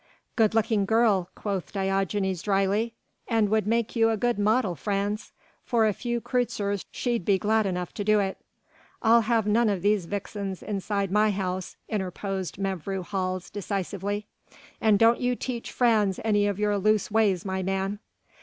"Good looking girl," quoth Diogenes dryly, "and would make you a good model, Frans. For a few kreutzers she'd be glad enough to do it." "I'll have none of these vixens inside my house," interposed Mevrouw Hals decisively, "and don't you teach Frans any of your loose ways, my man."